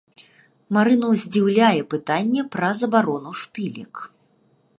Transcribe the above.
Марыну здзіўляе пытанне пра забарону шпілек.